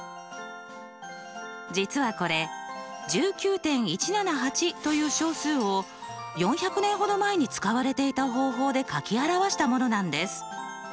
実はこれ１９．１７８という小数を４００年ほど前に使われていた方法で書き表したものなんです。